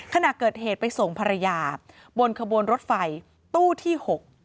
ขณะเกิดเหตุไปส่งภรรยาบนขบวนรถไฟตู้ที่๖